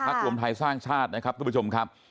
รวมไทยสร้างชาตินะครับทุกผู้ชมครับ